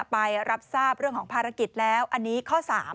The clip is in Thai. ไปรับทราบเรื่องของภารกิจแล้วอันนี้ข้อ๓